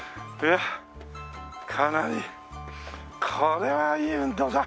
かなりこれはいい運動だ。